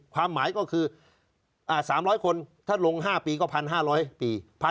ความหมายก็คือ๓๐๐คนถ้าลง๕ปีก็๑๕๐๐ปี